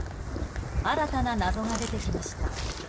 新たな謎が出てきました。